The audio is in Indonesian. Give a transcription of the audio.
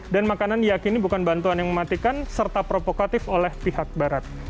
dan makanan meyakini bukan bantuan yang mematikan serta provokatif oleh pihak barat